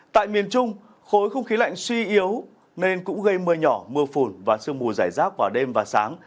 tại miền trung khối không khí lạnh suy yếu nên cũng gây mưa nhỏ mưa phùn và sương mù giải rác vào đêm và sáng